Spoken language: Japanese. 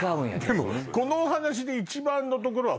このお話で一番のところは。